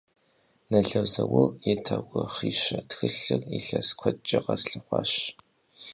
Нэло Зэур и «Тэурыхъищэ» тхылъыр илъэс куэдкӏэ къэслъыхъуащ.